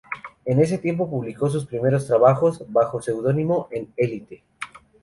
En ese tiempo publicó sus primeros trabajos, bajo seudónimo, en "Élite".